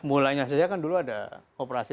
mulainya saja kan dulu ada operasi